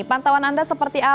pantauan anda seperti apa